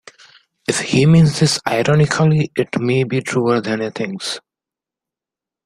If he means this ironically, it may be truer than he thinks.